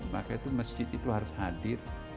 maka itu masjid itu harus hadir